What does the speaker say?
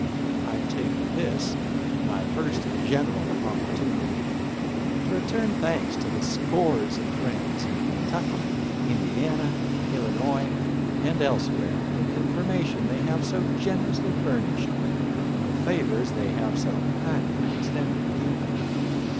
I take this, my first general opportunity, to return thanks to the scores of friends in Kentucky, Indiana, Illinois, and else where for the information they have so generously furnished and the favors they have so kindly extended me.